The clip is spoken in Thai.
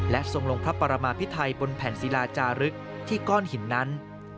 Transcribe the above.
ทรงลงพระปรมาพิไทยบนแผ่นศิลาจารึกที่ก้อนหินนั้น